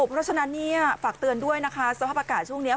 เพราะฉะนั้นเนี่ยฝากเตือนด้วยนะคะสภาพอากาศช่วงนี้